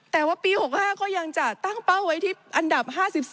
แต่ว่าปี๖๕ก็ยังจะตั้งเป้าไว้ที่อันดับ๕๒